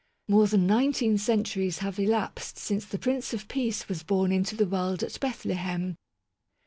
More than nineteen centuries have elapsed since the Prince of Peace was born into the world at Bethlehem.